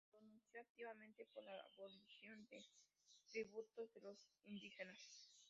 Se pronunció activamente por la abolición de tributos de los indígenas.